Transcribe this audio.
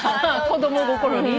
子供心に？